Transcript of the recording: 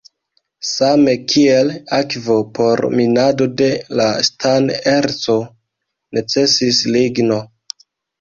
Same kiel akvo por minado de la stan-erco necesis ligno.